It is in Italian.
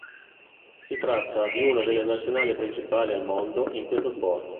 Si tratta di una delle nazionali principali al mondo in questo sport.